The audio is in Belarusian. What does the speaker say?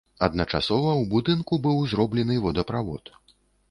Адначасова ў будынку быў зроблены водаправод.